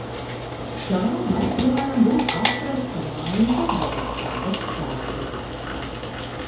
Tā var, piemēram, būt atrasta maize vai kādas sēklas.